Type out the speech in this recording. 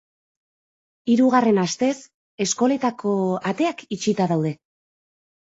Hirugarren astez eskoletako ateak itxita daude.